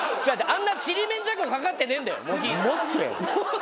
あんなちりめんじゃこかかってねえんだよ。